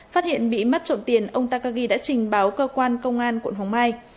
phát hiện bị mất trộm tiền ông takagi đã trình báo cơ quan công an quận hoàng mai